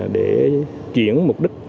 để chuyển mục đích